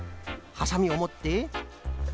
はさみをもって。